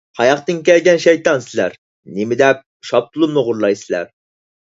قاياقتىن كەلگەن شەيتان سىلەر! نېمىدەپ شاپتۇلۇمنى ئوغرىلايسىلەر!